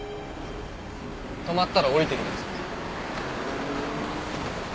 止まったら降りてください。